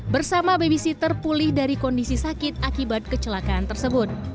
bersama babysitter pulih dari kondisi sakit akibat kecelakaan tersebut